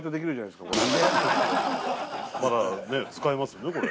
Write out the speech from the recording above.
まだね使えますよねこれ。